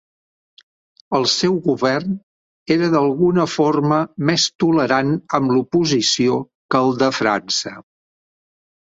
El seu govern era d'alguna forma més tolerant amb l'oposició que el de França.